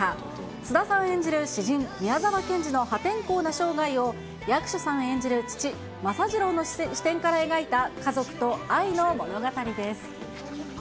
菅田さん演じる詩人、宮沢賢治の破天荒な生涯を役所さん演じる父、政次郎の視点から描いた家族と愛の物語です。